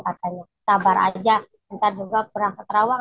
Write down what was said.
katanya sabar aja ntar juga berangkat rawang